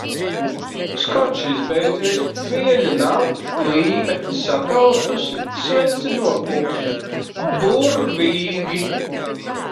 Skočs izbeidzies, dvieļa nav, līme sakaltusi, svece nopūsta. Burvīgi!